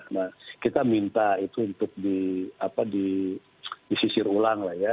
nah kita minta itu untuk disisir ulang lah ya